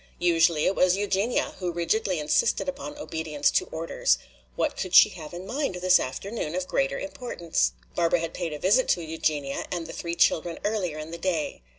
Usually it was Eugenia who rigidly insisted upon obedience to orders. What could she have in mind this afternoon of greater importance? Barbara had paid a visit to Eugenia and the three children earlier in the day.